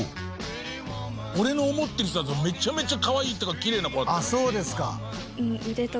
俺の思ってる人だとめちゃめちゃかわいいっていうかきれいな子だったよ。